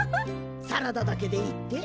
サラダだけでいいって？